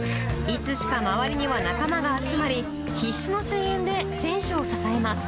いつしか周りには仲間が集まり、必死の声援で選手を支えます。